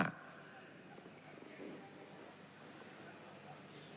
จดทะเบียนเมื่อปี๒๕๕๕